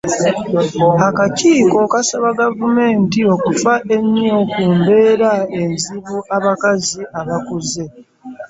Akakiiko kasaba Gavumenti okufa ennyo ku mbeera enzibu abakazi abakuze.